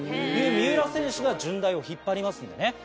三浦選手が順大を引っ張りますんでね。